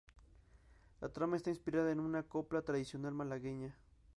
La trama está inspirada en una copla tradicional malagueña.